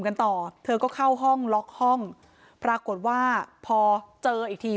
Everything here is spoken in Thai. กันต่อเธอก็เข้าห้องล็อกห้องปรากฏว่าพอเจออีกที